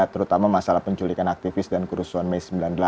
terutama masalah penculikan aktivis dan kerusuhan mei sembilan puluh delapan